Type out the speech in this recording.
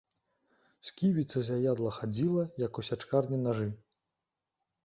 Сківіца заядла хадзіла, як у сячкарні нажы.